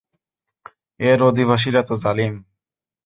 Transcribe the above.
এর অধিবাসীরা তো জালিম।